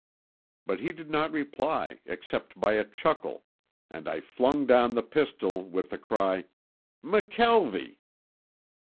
But he did not reply except by a chuckle, and I flung down the pistol with the cry, "McKelvie!"